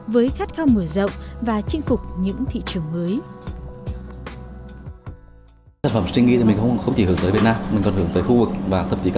với khát khao mở rộng và chinh phục